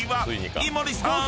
［井森さーん